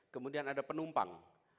kemudian ada penumpang